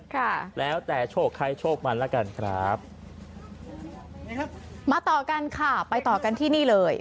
ค่ะแล้วแต่โชคใครโชคมันแล้วกันครับนะครับมาต่อกันค่ะไปต่อกันที่นี่เลย